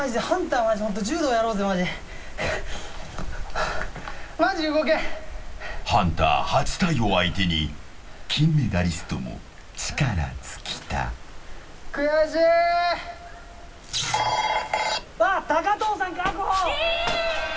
［ハンター８体を相手に金メダリストも力尽きた］